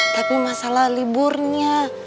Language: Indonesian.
tapi masalah liburnya